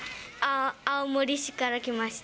青森市から来ました。